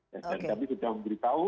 dan kami sudah memberitahu